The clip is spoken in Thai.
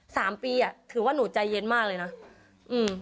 สามปีอ่ะถือว่าหนูใจเย็นมากเลยน่ะอืม